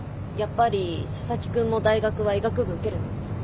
やっぱり佐々木くんも大学は医学部受けるの？